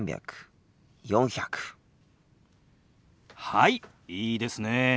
はいいいですねえ。